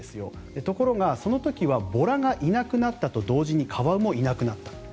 ところがその時はボラがいなくなったと同時にカワウもいなくなった。